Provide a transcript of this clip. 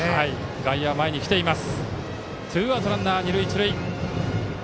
外野は前に来ています。